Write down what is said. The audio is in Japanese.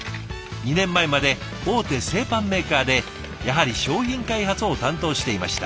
２年前まで大手製パンメーカーでやはり商品開発を担当していました。